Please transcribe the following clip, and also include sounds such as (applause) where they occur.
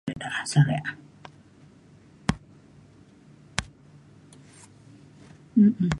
Ida se re (noise)